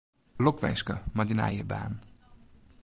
Lokwinske mei dyn nije baan.